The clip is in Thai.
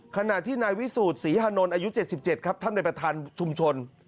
ขณะที่นายวิสูจน์ศรีฮานนท์อายุ๗๗ครับท่านในประธานชุมชน